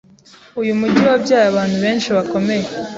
Uyu mujyi wabyaye abantu benshi bakomeye.